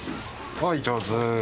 はい上手。